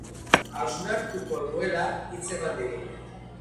Hausnartuko duela hitzeman digu.